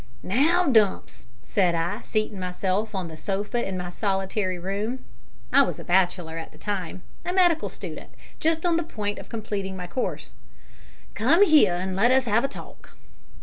"Now, Dumps," said I, seating myself on the sofa in my solitary room (I was a bachelor at the time a medical student, just on the point of completing my course), "come here, and let us have a talk."